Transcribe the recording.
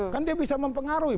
kan dia bisa mempengaruhi